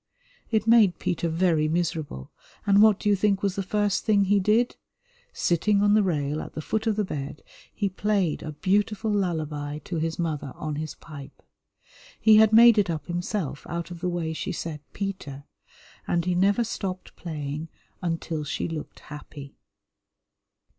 It made Peter very miserable, and what do you think was the first thing he did? Sitting on the rail at the foot of the bed, he played a beautiful lullaby to his mother on his pipe. He had made it up himself out of the way she said "Peter," and he never stopped playing until she looked happy.